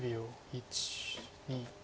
１２。